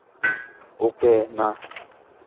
ওকে, না।